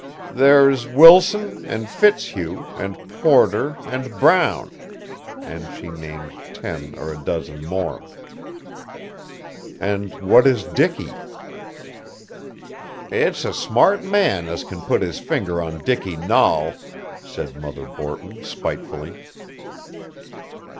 "There's Wilson and Fitzhugh and Porter and Brown," and she named ten or a dozen more. "And what is Dicky?" "It's a smart man as can put his finger on Dicky Nahl," said Mother Borton spitefully.